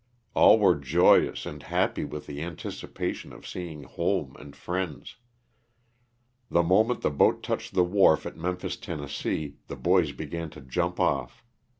All were joyous and happy with the anticipation of seeing home and friends. The moment the boat touched the wharf at Memphis, Tenn., the boys began to jump off.